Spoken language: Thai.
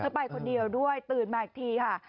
ไปคนเดียวด้วยตื่นมาอีกทีค่ะ